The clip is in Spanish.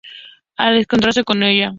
Al encontrarse con ella.